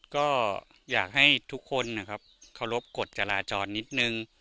ก็อยากให้ทุกคนนะครับเคารพกฎจราจรนิดนึง